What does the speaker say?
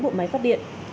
bốn bộ máy phát điện